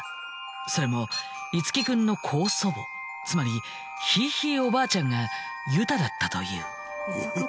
それも樹君の高祖母つまりひいひいおばあちゃんがユタだったという。